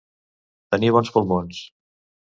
Tenir bons pulmons.